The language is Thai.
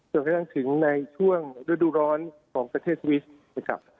กระทั่งถึงในช่วงฤดูร้อนของประเทศสวิสนะครับ